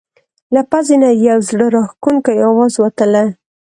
له پزې نه یو زړه راښکونکی اواز وتله.